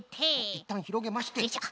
いったんひろげまして。